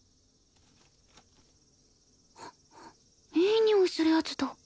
いいにおいするやつだ。